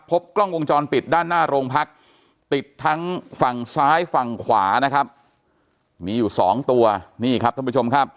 พบกล้องวงจรปิดด้านหน้าโรงพักติดทั้งฝั่งซ้ายฝั่งขวานะครับมีอยู่สองตัวนี่ครับท่านผู้ชมครับ